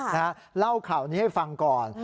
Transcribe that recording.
เล่าข่าวนี้ให้ฟังก่อน